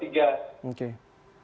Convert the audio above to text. bi hai menang che air